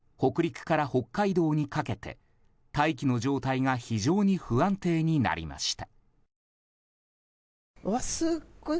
更に、上空の寒気の影響で北陸から北海道にかけて大気の状態が非常に不安定になりました。